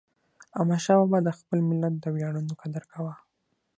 احمدشاه بابا د خپل ملت د ویاړونو قدر کاوه.